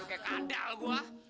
oh kayak kadal gua